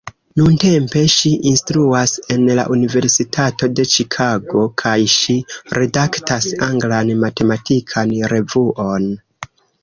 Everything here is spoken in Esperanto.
Nuntempe ŝi instruas en la Universitato de Ĉikago kaj ŝi redaktas anglan matematikan revuon.